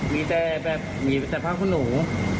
มีแต่แบบมีแต่ผ้าขนหนู